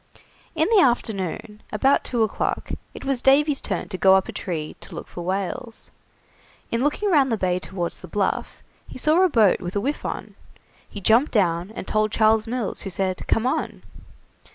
In the afternoon, about two o'clock, it was Davy's turn to go up a tree to look for whales. In looking round the Bay towards the Bluff, he saw a boat with a whiff on. He jumped down, and told Charles Mills, who said: "Come on."